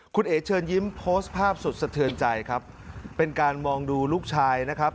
คุณเอ๋เชิญยิ้มโพสต์ภาพสุดสะเทือนใจครับเป็นการมองดูลูกชายนะครับ